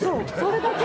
それだけ？